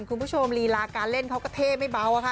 คุณผู้ชมลีลาการเล่นเขาก็เท่ไม่เบาอะค่ะ